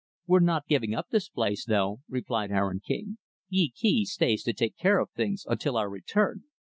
"We're not giving up this place, though," replied Aaron King. "Yee Kee stays to take care of things until our return."